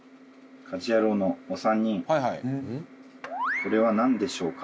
これはなんでしょうか？